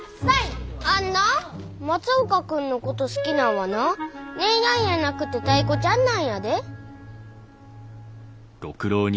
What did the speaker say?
あんな松岡君のこと好きなんはな姉やんやなくてタイ子ちゃんなんやで。